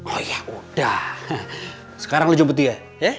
oh ya udah sekarang lu jemput dia ya